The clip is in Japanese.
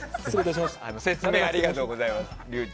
説明ありがとうございます。